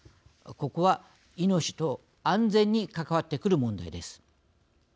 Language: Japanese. ここは、命と安全に関わってくる問題です。